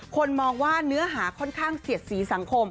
คนมองว่าเนื้อหาค่อนข้างเสียดสีสังคม